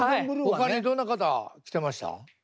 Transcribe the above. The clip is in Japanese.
ほかにどんな方来てました？